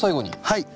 はい。